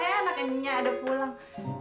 eh anaknya ada pulang